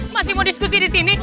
masih mau diskusi di sini